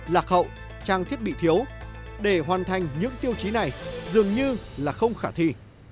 lạc hậu trang thiết bị thiếu để hoàn thành những tiêu chí này dường như là không khả thi